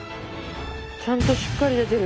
ちゃんとしっかり出てる。